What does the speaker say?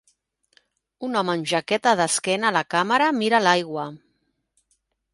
Un home amb jaqueta d'esquena a la càmera mira l'aigua.